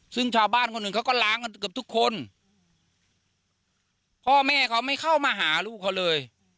ซึ่งชาวบ้านคนหนึ่งเขาก็ล้างกันเกือบทุกคนพ่อแม่เขาไม่เข้ามาหาลูกเขาเลย